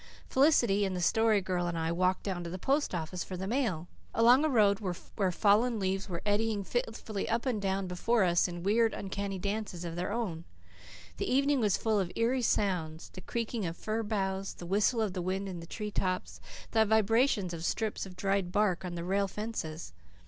Felicity and the Story Girl and I walked down to the post office for the mail, along a road where fallen leaves went eddying fitfully up and down before us in weird, uncanny dances of their own. The evening was full of eerie sounds the creaking of fir boughs, the whistle of the wind in the tree tops, the vibrations of strips of dried bark on the rail fences.